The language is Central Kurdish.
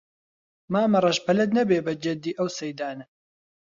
مامەڕەش پەلەت نەبێ بە جەددی ئەو سەیدانە